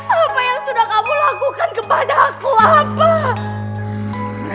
apa yang sudah kamu lakukan kepada aku apa